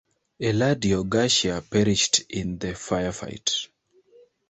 Eladio Garcia perished in the firefight.